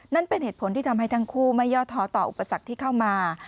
นั่นเป็นเหตุผลที่ทำให้ทั้งคู่ไม่ย่อท้อต่ออุปสรรคที่เข้ามา